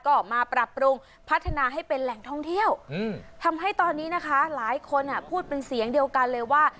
ก็มาปรับปรุงพัฒนาให้เป็นแหล่งท่องเที่ยวทำให้ตอนนี้นะคะหลายคนพูดเป็นเสียงเดียวกันเลยว่า